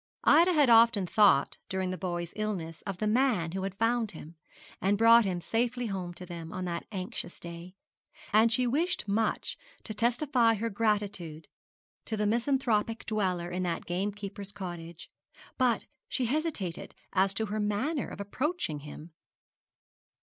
Ida had often thought during the boy's illness of the man who had found him, and brought him safely home to them on that anxious day; and she wished much to testify her gratitude to the misanthropic dweller in the gamekeeper's cottage; but she hesitated as to her manner of approaching him.